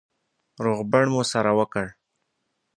روغبړ مو سره وکړ.